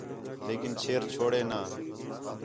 لیکن چھیر چھوڑے نہ